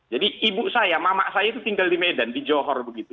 jadi ibu saya mamak saya itu tinggal di medan di johor begitu